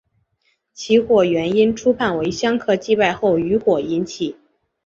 起火原因初判为香客祭拜后余火引起。